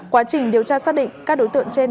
quá trình điều tra xác định các đối tượng trên